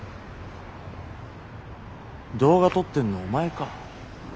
動画撮ってんのはお前か？